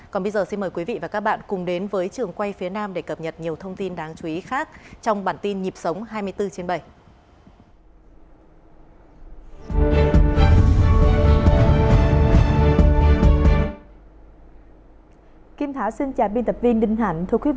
còn bây giờ xin mời quý vị và các bạn cùng đến với trường quay phía nam để cập nhật nhiều thông tin đáng chú ý khác trong bản tin nhịp sống hai mươi bốn trên bảy